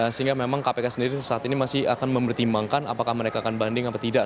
sehingga memang kpk sendiri saat ini masih akan mempertimbangkan apakah mereka akan banding atau tidak